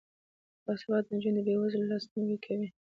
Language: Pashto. باسواده نجونې د بې وزلو لاسنیوی کوي.